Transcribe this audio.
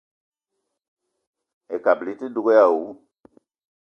Ekabili i te dug èè àwu